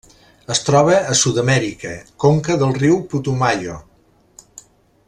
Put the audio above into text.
Es troba a Sud-amèrica: conca del riu Putumayo.